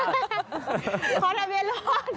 ขอทะเบียนรถ